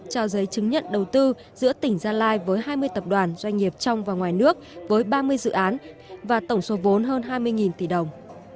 trao giấy chứng nhận đầu tư giữa tỉnh gia lai với hai mươi tập đoàn doanh nghiệp trong và ngoài nước với ba mươi dự án và tổng số vốn hơn hai mươi tỷ đồng